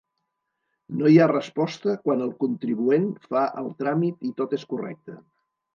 No hi ha resposta quan el contribuent fa el tràmit i tot és correcte.